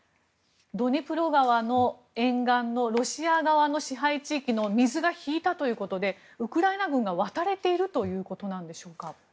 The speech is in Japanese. ドニプロ川の沿岸のロシア側の支配地域の水が引いたということでウクライナ軍が渡れているということでしょうか？